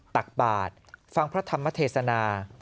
ตักบาทฟังพระธรรมเทศนา